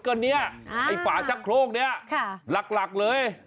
ก็นี่ไอ้ฝาชะโครกนี่หลักเลย